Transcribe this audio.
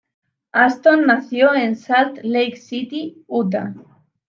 Ashton nació en Salt Lake City, Utah.